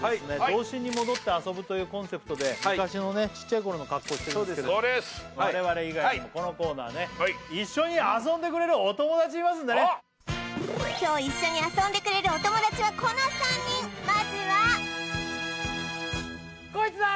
童心に戻って遊ぶというコンセプトで昔のねちっちゃい頃の格好をしてるんですけど我々以外にもこのコーナーね一緒に遊んでくれるお友達いますんでね今日一緒に遊んでくれるお友達はこの３人まずはこいつだ！